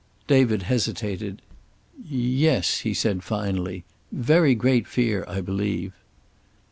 David hesitated. "Yes," he said finally. "Very great fear, I believe."